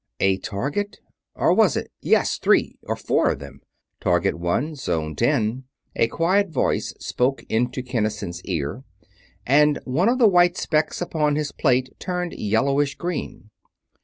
A target? Or was it? Yes three or four of them! "Target One Zone Ten," a quiet voice spoke into Kinnison's ear and one of the white specks upon his plate turned yellowish green.